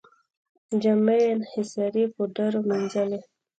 جامې یې انحصاري پوډرو مینځلې.